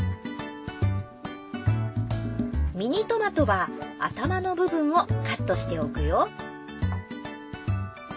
ミニトマトは頭の部分をカットしておくよ